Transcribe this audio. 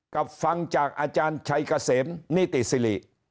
กับฟังจากอาจารย์ชัยเกษมนิติสิริ